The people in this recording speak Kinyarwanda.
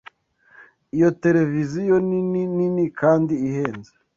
Iyo tereviziyo nini nini kandi ihenze.